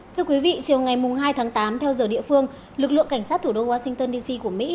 thưa quý vị chiều ngày hai tháng tám theo giờ địa phương lực lượng cảnh sát thủ đô washington dc của mỹ